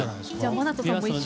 ＭＡＮＡＴＯさんも。